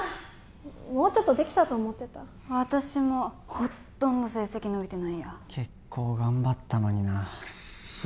もうちょっとできたと思ってた私もほとんど成績伸びてないや結構頑張ったのになクッソ